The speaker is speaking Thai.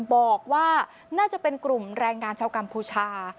บอกว่าน่าจะเป็นกลุ่มแรงงานชาวกัมพูชา